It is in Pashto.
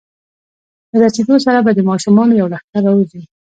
له رسېدو سره به د ماشومانو یو لښکر راوځي.